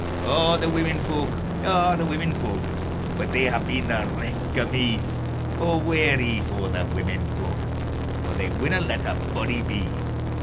_O the women fo'k! O the women fo'k! But they hae been the wreck o' me; O weary fa' the women fo'k, For they winna let a body be!